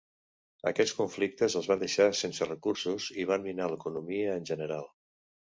Aquests conflictes el van deixar sense recursos i van minar l'economia en general.